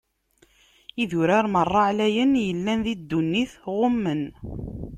Idurar meṛṛa ɛlayen yellan di ddunit, ɣummen.